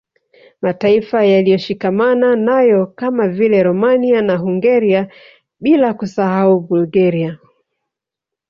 Mataifa yaliyoshikamana nayo kama vile Romania na Hungaria bila kusahau Bulgaria